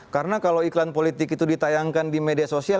karena kalau iklan politik itu ditayangkan di media sosial